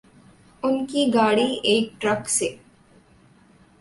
ان کی گاڑی ایک ٹرک سے